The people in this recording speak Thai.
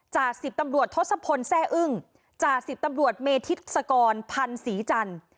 จาก๑๐ตำรวจทศพลแซ่อึ้งจ่าสิบตำรวจเมธิศกรพันธ์ศรีจันทร์